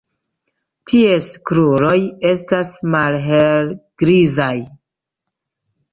Ties kruroj estas malhelgrizaj.